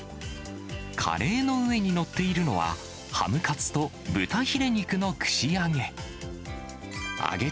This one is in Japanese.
カレーの上に載っているのは、ハムカツと豚ヒレ肉の串揚げ。